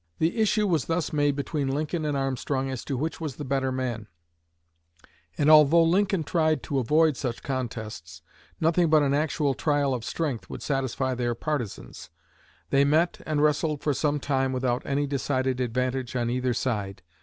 The issue was thus made between Lincoln and Armstrong as to which was the better man, and although Lincoln tried to avoid such contests, nothing but an actual trial of strength would satisfy their partisans. They met and wrestled for some time without any decided advantage on either side.